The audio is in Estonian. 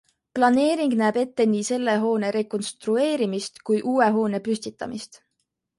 Planeering näeb ette nii selle hoone rekonstrueerimist kui uue hoone püstitamist.